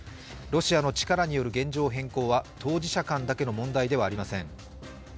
ロシアの力による現状変更は当事者間だけの問題ではありません。